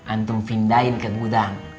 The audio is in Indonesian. aku pindahkan ke gudang